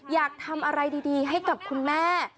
อยากทำอะไรดีให้กับคุณแม่